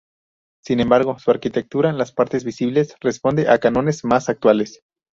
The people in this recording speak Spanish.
Sin embargo su arquitectura, en las partes visibles, responde a cánones más actuales.